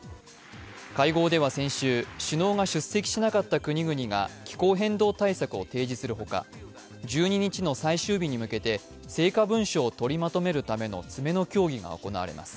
会合では先週、首脳が出席しなかった国々が気候変動対策を提示するほか１２日の最終日に向けて成果文書を取りまとめるための詰めの協議が行われます。